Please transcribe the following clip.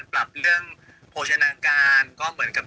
แต่พุทธก็ตั้งใจทุกวันใช่ไหม